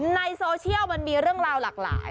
ในโซเชียลมันมีเรื่องราวหลากหลาย